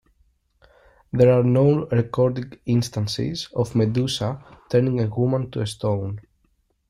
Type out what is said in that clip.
There are no recorded instances of Medusa turning a woman to stone.